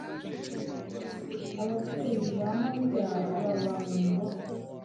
Ababyeyi ba Mariya baba mu ngoro.